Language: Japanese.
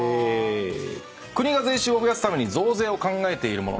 国が税収を増やすために増税を考えているもの